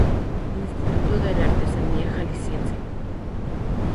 Instituto de la Artesanía Jalisciense